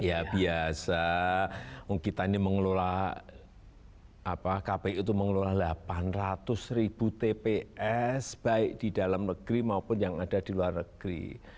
ya biasa kita ini mengelola kpu itu mengelola delapan ratus ribu tps baik di dalam negeri maupun yang ada di luar negeri